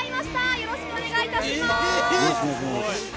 よろしくお願いします。